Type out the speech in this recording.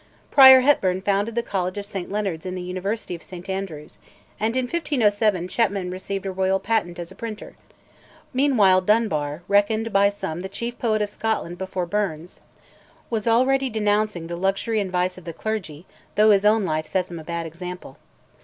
Prior Hepburn founded the College of St Leonard's in the University of St Andrews; and in 1507 Chepman received a royal patent as a printer. Meanwhile Dunbar, reckoned by some the chief poet of Scotland before Burns, was already denouncing the luxury and vice of the clergy, though his own life set them a bad example.